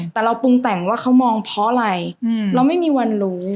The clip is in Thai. แต่เราปรุงแต่งว่าเขามองเพราะอะไรเราไม่มีวันรู้